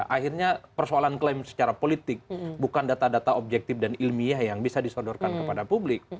akhirnya persoalan klaim secara politik bukan data data objektif dan ilmiah yang bisa disodorkan kepada publik